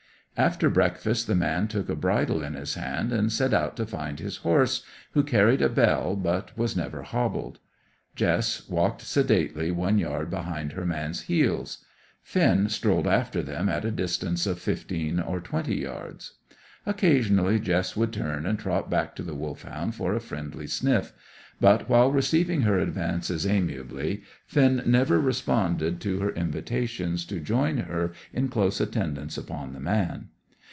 After breakfast, the man took a bridle in his hand and set out to find his horse, who carried a bell but was never hobbled. Jess walked sedately one yard behind her man's heels; Finn strolled after them at a distance of fifteen or twenty yards. Occasionally Jess would turn and trot back to the Wolfhound for a friendly sniff; but, while receiving her advances amiably, Finn never responded to her invitations to join her in close attendance upon the man.